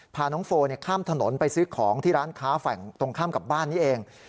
พาน้องโฟข้ามถนนไปซื้อของที่ร้านค้าฝั่งตรงข้ามกับบ้านนี้เอง